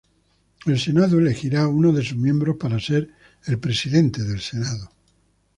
El Senado elegirá uno de sus miembros para ser el presidente del Senado.